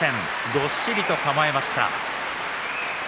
どっしりと構えました。